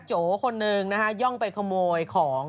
โจ๋คนหนึ่งย่องไปขโมยของ